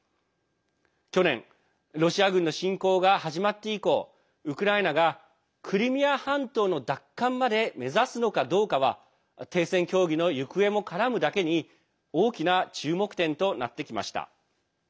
去年、ロシア軍の侵攻が始まって以降ウクライナが、クリミア半島の奪還まで目指すのかどうかは停戦協議の行方も絡むだけに大きな注目点となってきました。